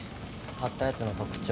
買ったやつの特徴。